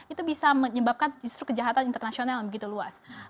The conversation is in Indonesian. itu bisa menyebabkan justru kejahatan internasional yang begitu luas